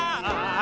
あ！